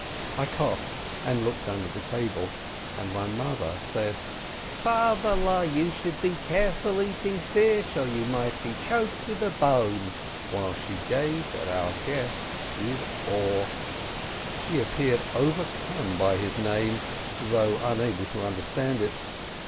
I coughed and looked under the table, and my mother said, "Favele, you should be careful eating fish, or you might be choked with a bone," while she gazed at our guest with awe. She appeared overcome by his name, although unable to understand it.